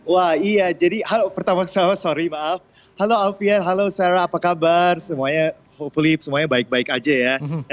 wah iya jadi pertama saya maaf halo alvian halo sarah apa kabar semuanya baik baik aja ya